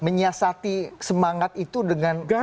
menyasati semangat itu dengan hirarki